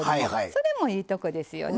それもいいとこですよね。